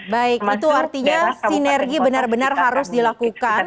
baik itu artinya sinergi benar benar harus dilakukan